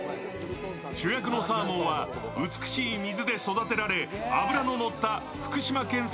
主役のサーモンは美しい水で育てられ、脂ののった福島県産